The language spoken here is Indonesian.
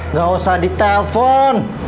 nggak usah ditelpon